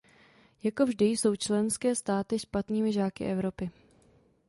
Jako vždy jsou členské státy špatnými žáky Evropy.